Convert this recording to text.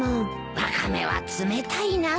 ワカメは冷たいなあ。